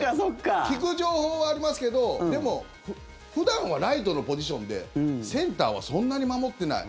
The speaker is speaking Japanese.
聞く情報はありますけどでも、普段はライトのポジションでセンターはそんなに守ってない。